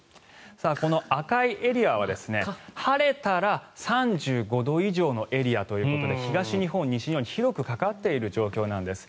この赤いエリアは、晴れたら３５度以上のエリアということで東日本、西日本広くかかっている状況なんです。